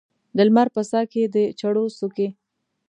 د لمر په ساه کې د چړو څوکې